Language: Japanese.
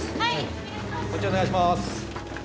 こちらお願いします。